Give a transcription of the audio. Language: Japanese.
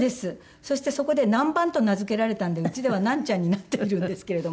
そしてそこでなんばんと名付けられたのでうちではなんちゃんになっているんですけれども。